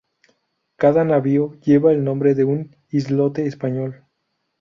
Cada navío lleva el nombre de un islote español.